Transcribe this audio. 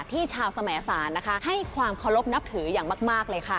ที่ชาวสมสารนะคะให้ความเคารพนับถืออย่างมากเลยค่ะ